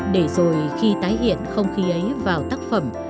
để rồi khi tái hiện không khí ấy vào tác phẩm